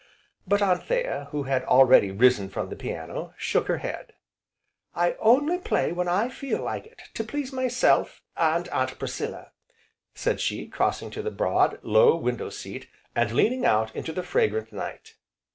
But Anthea, who had already risen from the piano, shook her head: "I only play when I feel like it, to please myself, and Aunt Priscilla," said she, crossing to the broad, low window seat, and leaning out into the fragrant night.